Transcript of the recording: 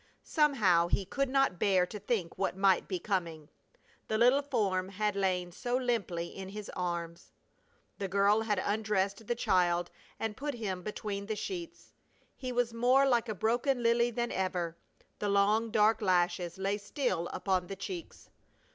Somehow he could not bear to think what might be coming. The little form had lain so limply in his arms! The girl had undressed the child and put him between the sheets. He was more like a broken lily than ever. The long dark lashes lay still upon the cheeks.